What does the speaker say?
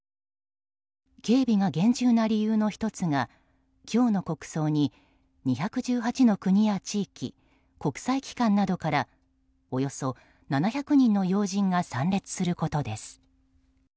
警備が厳重な理由の１つが今日の国葬に２１８の国や地域国際機関などからおよそ７００人の要人が参列することです。